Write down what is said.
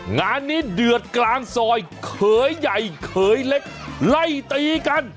งานนี้เดือดกลางซอยเขยใหญ่เขยเล็กไล่ตีกัน